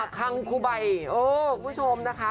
คังคูไบคุณผู้ชมนะคะ